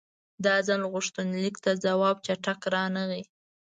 دا ځل غوښتنلیک ته ځواب چټک رانغی.